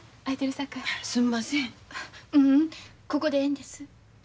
ううんここでええんです。